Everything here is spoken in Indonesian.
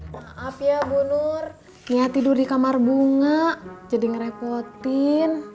maaf ya bu nur niat tidur di kamar bunga jadi ngerepotin